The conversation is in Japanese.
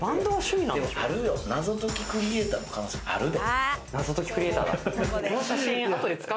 謎解きクリエイターの可能性あるで。